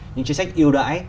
những chính sách yêu đải